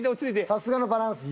さすがのバランス。